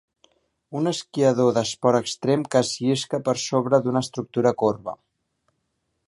Un esquiador d'esport extrem que es llisca per sobre d'una estructura corba.